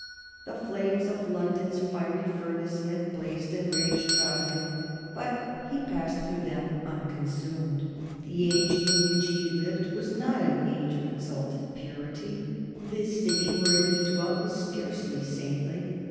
The flames of London's fiery furnace had blazed and raged about him, but he passed through them unconsumed. The age in which he lived was not an age of exalted purity, the city wherein he dwelt was scarcely saintly.